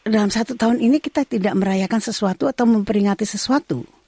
dalam satu tahun ini kita tidak merayakan sesuatu atau memperingati sesuatu